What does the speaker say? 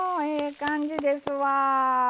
ええ感じですわ！